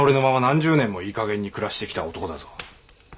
何十年もいいかげんに暮らしてきた男だぞ。